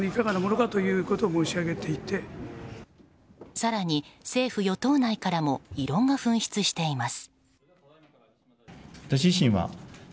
更に、政府・与党内からも異論が噴出しています。